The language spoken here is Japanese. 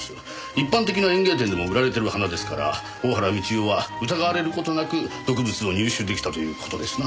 一般的な園芸店でも売られてる花ですから大原美千代は疑われる事なく毒物を入手出来たという事ですな。